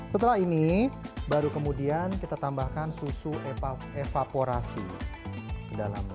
setelah ini baru kemudian kita tambahkan susu evaporasi ke dalamnya